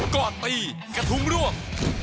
กอดตีกระทุงร่วง